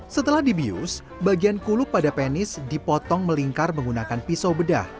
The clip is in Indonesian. setelah dibius bagian kuluk pada penis dipotong melingkar menggunakan pisau bedah